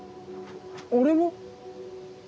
俺も？